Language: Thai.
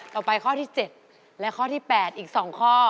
ต่อไปข้อที่๗และข้อที่๘อีก๒ข้อ